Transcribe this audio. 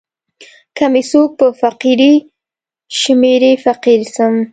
که می څوک په فقیری شمېري فقیر سم.